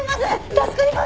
助かります。